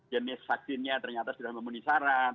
jenis vaksinnya ternyata sudah memenuhi syarat